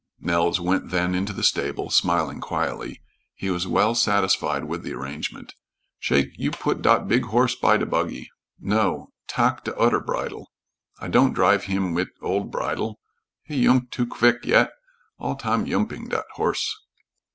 Nels went then into the stable, smiling quietly. He was well satisfied with the arrangement. "Shake, you put dot big horse by de buggy. No. Tak' d'oder bridle. I don't drive heem mit ol' bridle; he yoomp too quvick yet. All tam yoomping, dot horse."